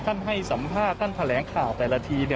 ท่านให้สัมภาษณ์ท่านแถลงข่าวแต่ละที